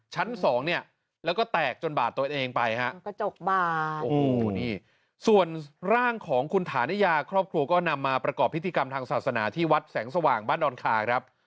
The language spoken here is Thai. ชั้นสองเนี่ยแล้วก็แตกจนบาดตัวเองไปฮะกระจกบาดโอ้โหนี่ส่วนร่างของคุณฐานิยาครอบครัวก็นำมาประกอบพิธีกรรมทางศาสนาที่วัดแสงสว่างบ้านดอนคาครับ